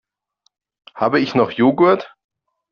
Habe ich noch Joghurt?